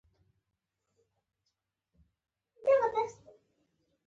پر شتمنۍ تصرف اسانه نه دی، ځکه په سوداګریو تړلې ده.